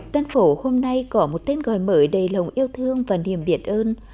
tân phổ hôm nay có một tên gọi mới đầy lòng yêu thương và niềm biết ơn